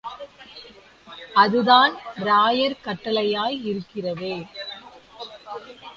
அதுதான் ராயர் கட்டளையாய் இருக்கிறதே!